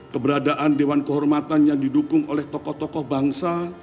keberadaan dewan kehormatan yang didukung oleh tokoh tokoh bangsa